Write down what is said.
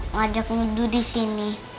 ngajak ngunduh disini